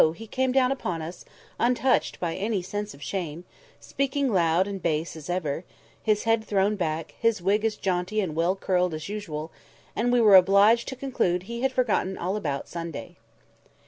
he came down upon us, untouched by any sense of shame, speaking loud and bass as ever, his head thrown back, his wig as jaunty and well curled as usual, and we were obliged to conclude he had forgotten all about Sunday.